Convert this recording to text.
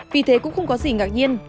vì thế cũng không có gì ngạc nhiên